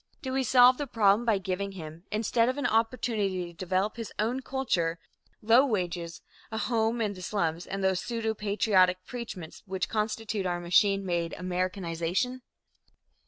Do we solve the problem by giving him, instead of an opportunity to develop his own culture, low wages, a home in the slums and those pseudo patriotic preachments which constitute our machine made "Americanization"?